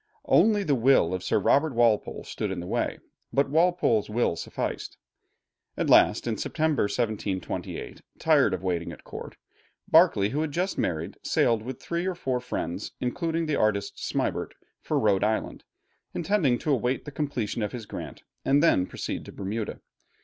Only the will of Sir Robert Walpole stood in the way, but Walpole's will sufficed. At last, in September, 1728, tired of waiting at court, Berkeley, who had just married, sailed with three or four friends, including the artist Smibert, for Rhode Island, intending to await there the completion of his grant, and then proceed to Bermuda.